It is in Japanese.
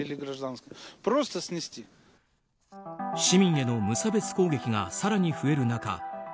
市民への無差別攻撃が更に増える中